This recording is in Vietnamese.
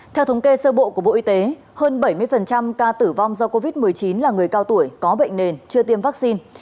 theo thống kê sơ bộ của bộ y tế hơn bảy mươi ca tử vong do covid một mươi chín là người cao tuổi có bệnh nền chưa tiêm vaccine